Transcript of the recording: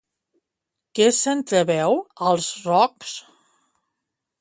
Què s'entreveu als rocs?